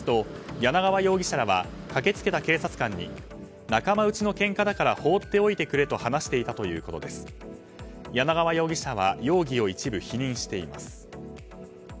柳川容疑者は容疑を一部否認しています。